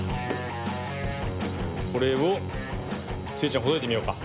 これをスイちゃんほどいてみようか。